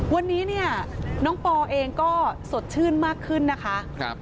วันนี้เนี่ยน้องปอเองก็สดชื่นมากขึ้นนะคะ